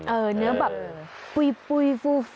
เนื้อแบบปุย